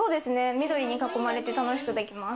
緑に囲まれて楽しくできます。